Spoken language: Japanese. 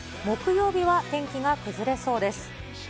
木曜日は天気が崩れそうです。